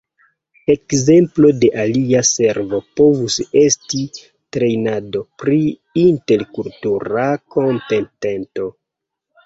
Ekzemplo de alia servo povus esti trejnado pri interkultura kompetento.